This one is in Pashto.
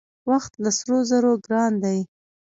وخت له سرو زرو ګران دی .